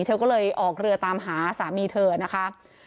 เธอก็เลยออกเรือตามหาสามีเธอนะคะ